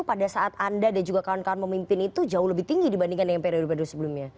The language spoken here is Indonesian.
pada saat anda dan juga kawan kawan memimpin itu jauh lebih tinggi dibandingkan dengan periode periode sebelumnya